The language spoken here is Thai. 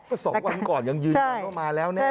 ก็สองวันก่อนยังยืนออกมาแล้วเนี่ย